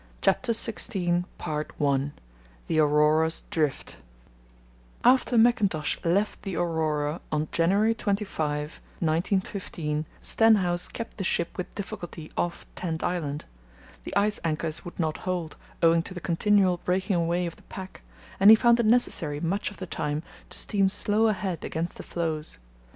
CHAPTER XVI THE AURORA'S DRIFT After Mackintosh left the Aurora on January 25, 1915, Stenhouse kept the ship with difficulty off Tent Island. The ice anchors would not hold, owing to the continual breaking away of the pack, and he found it necessary much of the time to steam slow ahead against the floes.